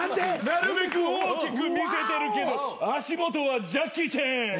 なるべく大きく見せてるけど足元はジャッキー・チェン。